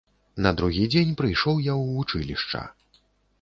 На другі дзень прыйшоў я ў вучылішча.